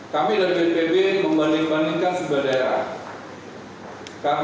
kami dari bnpb membanding bandingkan sebuah daerah